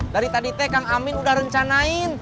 dari tadi teh kang amin udah rencanain